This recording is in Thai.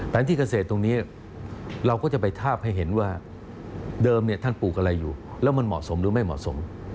ที่เกษตรตรงนี้เราก็จะไปทาบให้เห็นว่าเดิมท่านปลูกอะไรอยู่แล้วมันเหมาะสมหรือไม่เหมาะสม